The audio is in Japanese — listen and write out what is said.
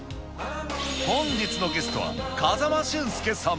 本日のゲストは、風間俊介さん。